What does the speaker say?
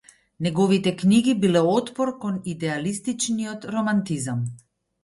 Неговите книги биле отпор кон идеалистичниот романтизам.